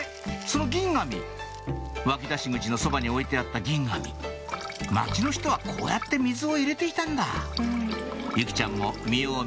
その銀紙湧き出し口のそばに置いてあった銀紙町の人はこうやって水を入れていたんだ由季ちゃんも見よう